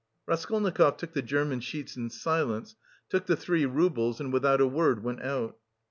Raskolnikov took the German sheets in silence, took the three roubles and without a word went out.